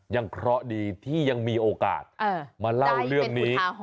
เคราะห์ดีที่ยังมีโอกาสมาเล่าเรื่องนี้